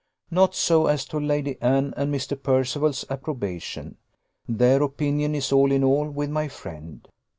Not so as to Lady Anne and Mr. Percival's approbation their opinion is all in all with my friend.